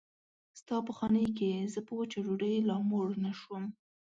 ستا په خانۍ کې زه په وچه ډوډۍ لا موړ نه شوم.